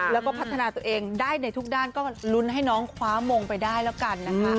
แล้วก็พัฒนาตัวเองได้ในทุกด้านก็ลุ้นให้น้องคว้ามงไปได้แล้วกันนะคะ